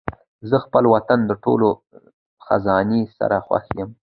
زه خپل وطن د ټولو خزانې سره خوښ یم.